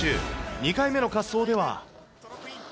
２回目の滑走では。